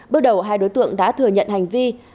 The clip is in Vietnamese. bước đầu hai đối tượng đã thừa nhận hành vi